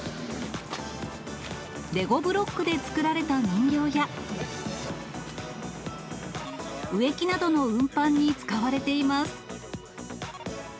レゴブロックで作られた人形や、植木などの運搬に使われています。